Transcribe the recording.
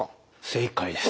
正解です。